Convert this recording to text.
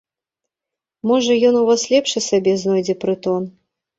Можа, ён у вас лепшы сабе знойдзе прытон.